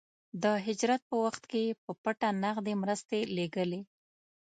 د هجرت په وخت کې يې په پټه نغدې مرستې لېږلې.